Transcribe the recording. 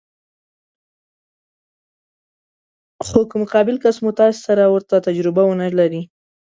خو که مقابل کس مو تاسې سره ورته تجربه ونه لري.